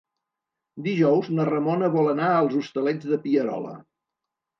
Dijous na Ramona vol anar als Hostalets de Pierola.